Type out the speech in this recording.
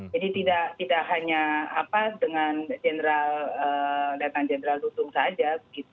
jadi tidak hanya dengan jenderal dudung saja